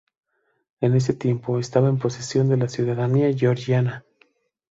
En ese tiempo estaba en posesión de la ciudadanía georgiana.